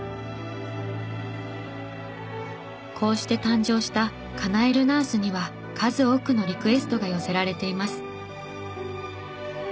こうして誕生したかなえるナースには数多くのリクエストが寄せられています。